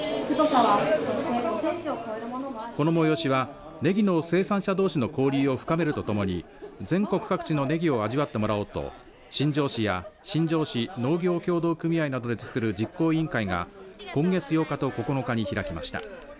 この催しはねぎの生産者どうしの交流を深めるとともに全国各地のねぎを味わってもらおうと新庄市や新庄市農業協同組合などでつくる実行委員会が今月８日と９日に開きました。